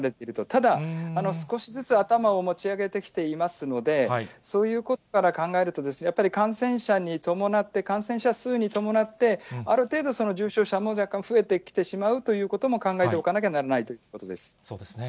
ただ、少しずつ頭を持ち上げてきていますので、そういうことから考えると、やっぱり感染者に伴って、感染者数に伴って、ある程度、重症者も若干増えてきてしまうということも考えておかなきゃならそうですね。